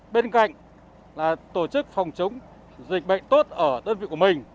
bên cạnh là tổ chức phòng chống dịch bệnh tốt ở đơn vị của mình